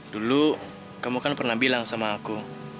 dulu kamu kan pernah bilang sama aku